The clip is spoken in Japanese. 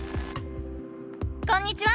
こんにちは！